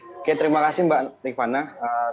oke terima kasih mbak nikvana selamat siang